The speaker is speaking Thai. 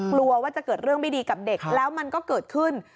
กลัวว่าจะเกิดเรื่องไม่ดีกับเด็กแล้วมันก็เกิดขึ้น